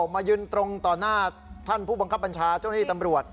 มายืนตรงต่อหน้าท่านผู้บังคับบัญชาเจ้าหน้าที่ตำรวจ